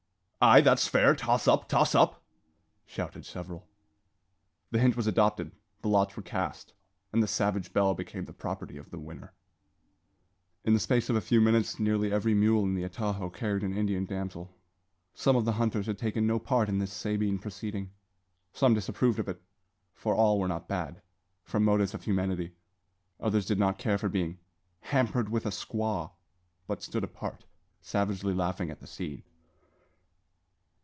"Ay, that's fair; toss up! toss up!" shouted several. The hint was adopted; the lots were cast; and the savage belle became the property of the winner. In the space of a few minutes nearly every mule in the atajo carried an Indian damsel. Some of the hunters had taken no part in this Sabine proceeding. Some disapproved of it (for all were not bad) from motives of humanity. Others did not care for being "hampered with a squaw," but stood apart, savagely laughing at the scene.